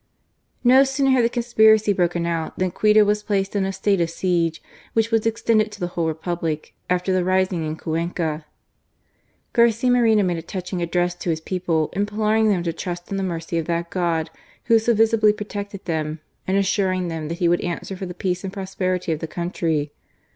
No sooner had the conspiracy broken out than Quito was placed in a state of siege, which was extended to the whole Republic after the rising in Cuenca. Garcia Moreno made a touching address ■•■■:^\ aao GARCIA MORENO: to his people, implc»nUig them to trust in the mercy of that God Who had so vimbly protected th^n, and assnrmg them that he would answer for the peace and prosperity of the countxy.